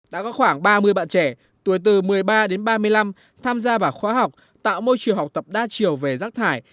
đã có khoảng ba mươi bạn trẻ tuổi từ một mươi ba đến ba mươi năm tham gia vào khóa học tạo môi trường học tập đa chiều về rác thải